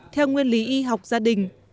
theo nguyên lý y học gia đình